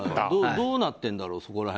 どうなってるんだろうそこ